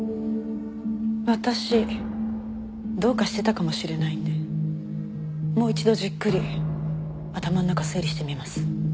私どうかしてたかもしれないんでもう一度じっくり頭の中整理してみます。